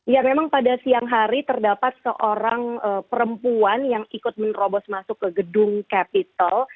ya memang pada siang hari terdapat seorang perempuan yang ikut menerobos masuk ke gedung capital